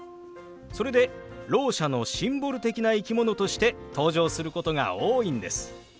それでろう者のシンボル的な生き物として登場することが多いんです。